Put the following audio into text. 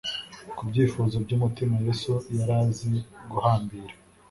Kubyifuzo byumutima Yesu yari azi guhambira